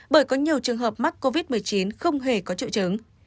bởi có nhiều trường hợp mắc covid một mươi chín không hề có triệu chứng